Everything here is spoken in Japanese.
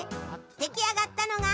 出来上がったのが。